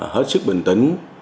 hết sức bình tĩnh